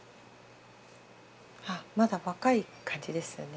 あまだ若い感じですよね。